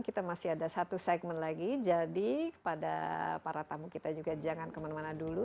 kita masih ada satu segmen lagi jadi kepada para tamu kita juga jangan kemana mana dulu